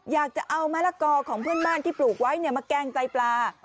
อยากจะเอามะละกอของเพื่อนบ้านที่ปลูกไว้มาแกล้งใจปลา